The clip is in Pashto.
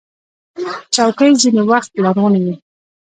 چوکۍ ځینې وخت لرغونې وي.